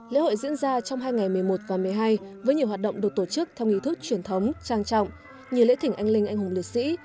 lễ hội diễn ra trong hai ngày một mươi một và một mươi hai với nhiều hoạt động được tổ chức theo nghị thức truyền thống trang trọng như lễ thỉnh anh linh anh hùng liệt sĩ